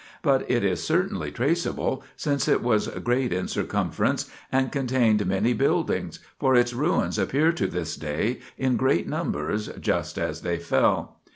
16 THE PILGRIMAGE OF ETHERIA it is certainly traceable, since it was great in circum ference and contained many buildings, for its ruins appear to this day in great numbers, just as they fell.